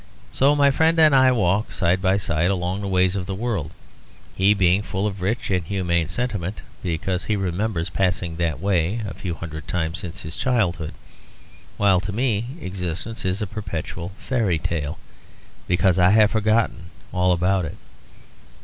And so my friend and I walk side by side along the ways of the world, he being full of a rich and humane sentiment, because he remembers passing that way a few hundred times since his childhood; while to me existence is a perpetual fairy tale, because I have forgotten all about it.